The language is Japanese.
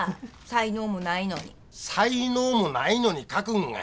才能もないのに書くんが偉いやろ。